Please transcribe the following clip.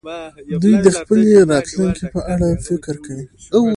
دوی د خپلې راتلونکې په اړه فکر کوي.